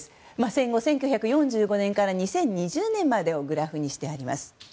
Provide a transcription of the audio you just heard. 戦後１９４５年から２０２０年までをグラフにしてあります。